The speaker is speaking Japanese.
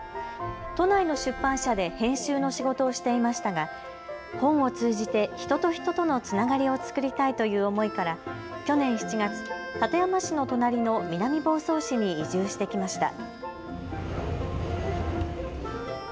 都内の出版社で編集の仕事をしていましたが本を通じて人と人とのつながりを作りたいという思いから去年７月、館山市の隣の南房総市に移住してきました。